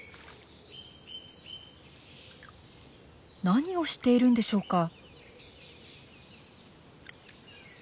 何をしているんでしょうか。